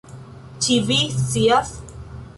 Ĉi vi scias?